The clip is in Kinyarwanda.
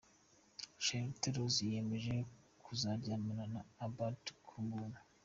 Charlotte Rose yiyemeje kuzaryamana na Abad ku buntu.